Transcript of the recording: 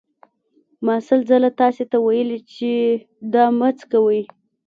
ما سل ځله تاسې ته ویلي چې دا مه څکوئ.